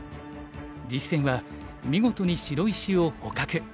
実戦は見事に白石を捕獲。